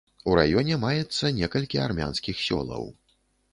У раёне маецца некалькі армянскіх сёлаў.